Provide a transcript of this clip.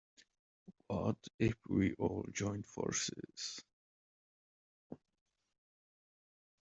What if we all joined forces?